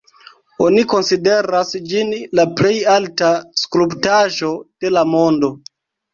Oni konsideras ĝin la plej alta skulptaĵo de la mondo.